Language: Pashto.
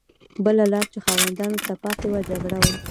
بله لار چې خاوندانو ته پاتې وه جګړه وه.